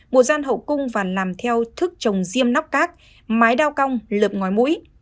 một gian hậu cung và làm theo thức trồng diêm nóc cát mái đao cong lợp ngoài mũi